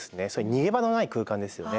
逃げ場のない空間ですよね。